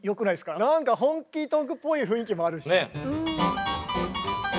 なんかホンキートンクっぽい雰囲気もあるし。